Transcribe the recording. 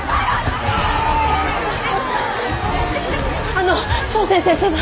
あの笙船先生は？